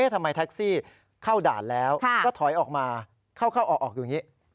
แท็กซี่เข้าด่านแล้วก็ถอยออกมาเข้าออกอยู่อย่างนี้